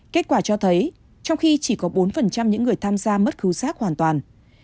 kết quả cho thấy trong khi chỉ có bốn những người tham gia mất khứu sát hoàn toàn